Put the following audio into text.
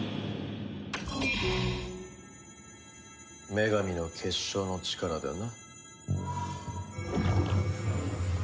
女神の結晶の力でな。